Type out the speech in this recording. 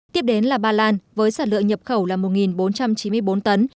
tiếp đến là ba lan với sản lượng nhập khẩu là một bốn trăm chín mươi bốn tấn